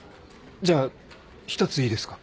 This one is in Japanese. じゃあ１ついいですか？